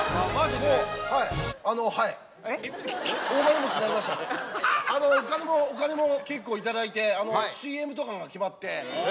あのお金もお金も結構いただいてＣＭとかが決まってえっ！？